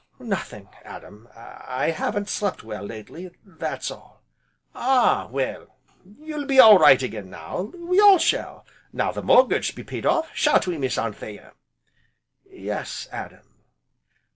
"Nothing, Adam, I haven't slept well, lately that's all" "Ah, well! you'll be all right again now, we all shall, now the mortgage be paid off, shan't we, Miss Anthea?" "Yes, Adam."